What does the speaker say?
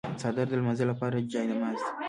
څادر د لمانځه لپاره جای نماز دی.